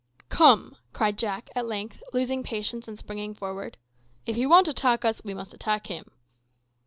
"Come," cried Jack at length, losing patience and springing forward; "if he won't attack us we must attack him."